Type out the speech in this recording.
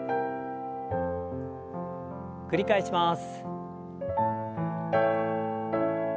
繰り返します。